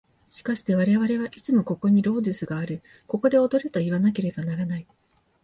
しかして我々はいつもここにロードゥスがある、ここで踊れといわなければならない。